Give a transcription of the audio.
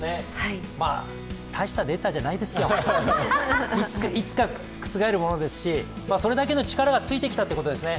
大したデータじゃないですよ、いつか覆るものですし、それだけの力がついてきたということですね。